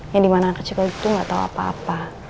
yang di mana anak kecil itu gak tau apa apa